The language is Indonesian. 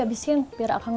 gadaan mereka nih